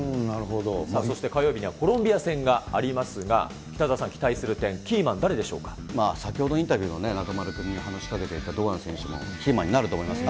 そして火曜日にはコロンビア戦がありますが、北澤さん、期待する点、キーマン、誰でしょ先ほどのインタビューで中丸君に話しかけていた堂安選手もキーマンになると思いますね。